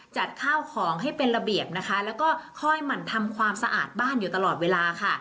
จัดข้าวของให้เป็นระเบียบนะคะแล้วก็ค่อยหมั่นทำความสะอาดบ้านอยู่ตลอดเวลาค่ะ